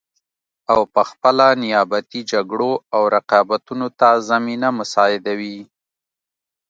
او پخپله نیابتي جګړو او رقابتونو ته زمینه مساعدوي